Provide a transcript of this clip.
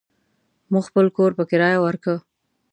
مو خپل کور په کريه وارکه.